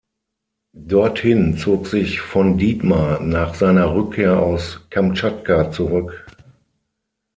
Dorthin zog sich von Ditmar nach seiner Rückkehr aus Kamtschatka zurück.